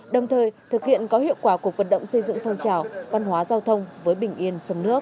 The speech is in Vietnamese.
đồng thời thực hiện có hiệu quả cuộc vận động xây dựng phong trào văn hóa giao thông với bình yên sông nước